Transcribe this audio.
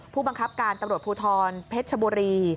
ผู้บังคับการตำรวจภูทรเพชรชบุรี